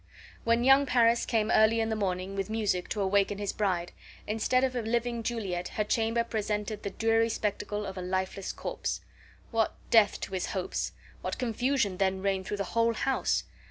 When young Paris came early in the morning with music to awaken his bride, instead of a living Juliet her chamber presented the dreary spectacle of a lifeless corse. What death to his hopes! What confusion then reigned through the whole house!